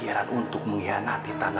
ada yang berintikannya